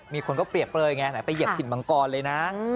มีคนก็เปรียบเปลยไงไหนไปเหยียบถิ่นมังกรเลยนะ